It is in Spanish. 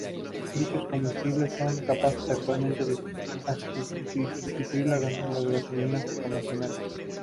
Dichos combustibles son capaces actualmente de sustituir a las gasolinas convencionales.